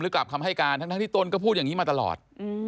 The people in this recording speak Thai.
กลับคำให้การทั้งที่ตนก็พูดอย่างนี้มาตลอด